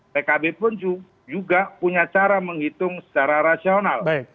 pkb pun juga punya cara menghitung secara rasional